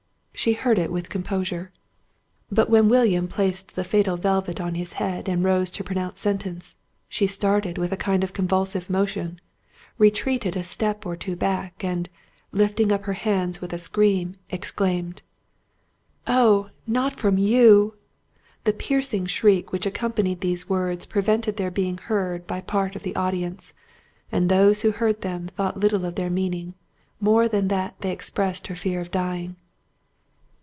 She heard it with composure. But when William placed the fatal velvet on his head and rose to pronounce sentence, she started with a kind of convulsive motion, retreated a step or two back, and, lifting up her hands with a scream, exclaimed— "Oh, not from you!" The piercing shriek which accompanied these words prevented their being heard by part of the audience; and those who heard them thought little of their meaning, more than that they expressed her fear of dying.